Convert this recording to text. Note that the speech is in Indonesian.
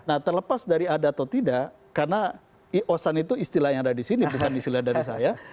nah terlepas dari ada atau tidak karena i osan itu istilah yang ada di sini bukan istilah dari saya